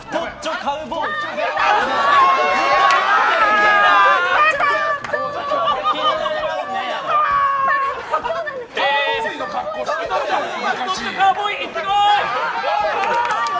カウボーイ行ってこい！